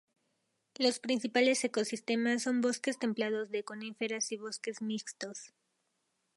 Los principales ecosistemas son bosques templados de coníferas y bosques mixtos.